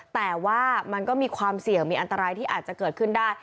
แต่ว่ามันก็มีความเสี่ยงมีอันตรายที่อาจจะเกิดขึ้นได้